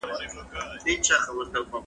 ټول علوم له یو بل سره مرسته کوي.